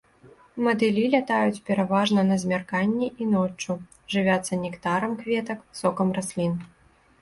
Матылі лятаюць пераважна на змярканні і ноччу, жывяцца нектарам кветак, сокам раслін.